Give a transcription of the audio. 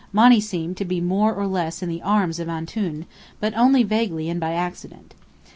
Monny seemed to be more or less in the arms of Antoun, but only vaguely and by accident.